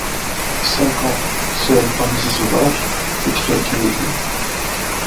Cinq ans, seul, parmi ces sauvages! s’écria Kennedy.